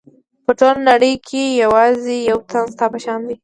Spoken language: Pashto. په ټوله نړۍ کې یوازې یو تن ستا په شان شته.